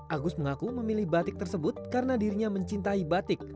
agus mengaku memilih batik tersebut karena dirinya mencintai batik